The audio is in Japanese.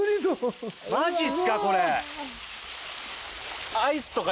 マジっすかこれ。